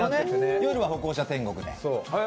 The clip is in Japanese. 夜は歩行者天国で。